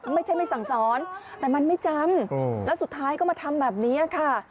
ไม่ใช่ไม่สั่งสอนแต่มันไม่จำแล้วสุดท้ายก็มาทำแบบนี้ค่ะ